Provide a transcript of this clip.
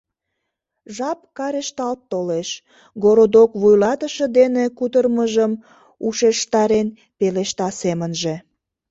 «Жап карешталт толеш, — городок вуйлатыше дене кутырымыжым ушештарен, пелешта семынже.